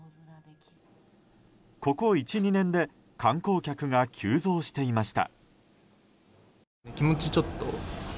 ここ１２年で観光客が急増していました。